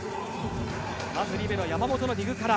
まずリベロ、山本のディグから。